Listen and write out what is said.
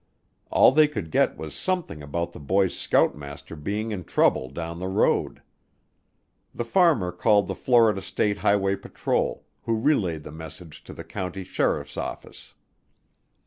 All they could get was something about the boys' scoutmaster being in trouble down the road. The farmer called the Florida State Highway Patrol, who relayed the message to the county sheriff's office.